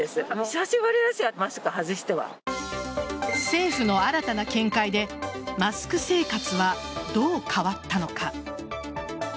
政府の新たな見解でマスク生活はどう変わったのか。